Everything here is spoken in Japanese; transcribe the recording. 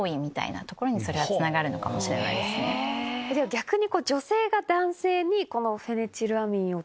逆に。